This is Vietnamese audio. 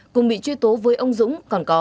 cùng bị truy tố với ông dũng còn có